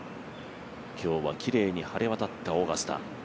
今日はきれいに晴れわたったオーガスタ。